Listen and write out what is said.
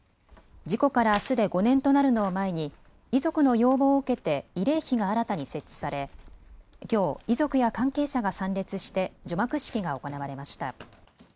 事故からあすで５年となるのを前に遺族の要望を受けて慰霊碑が新たに設置されきょう遺族や関係者が参列して、除幕式が行われました。